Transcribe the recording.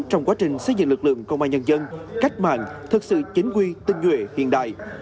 trong quá trình xây dựng lực lượng công an nhân dân cách mạng thực sự chính quy tinh nguyện hiện đại